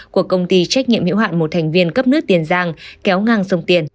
của công ty trách nhiệm hiệu hạn một thành viên cấp nước tiền giang kéo ngang sông tiền